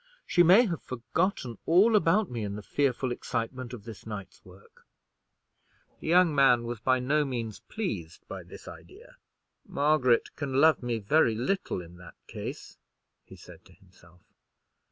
"She may have forgotten all about me, in the fearful excitement of this night's work." The young man was by no means pleased by this idea. "Margaret can love me very little, in that case," he said to himself.